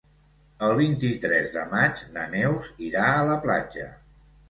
El vint-i-tres de maig na Neus irà a la platja.